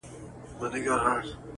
خو درد لا پاتې وي ډېر,